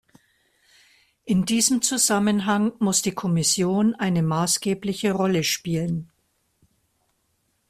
In diesem Zusammenhang muss die Kommission eine maßgebliche Rolle spielen.